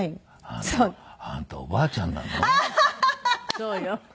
そうよ。